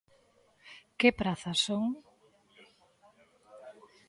¿Que prazas son?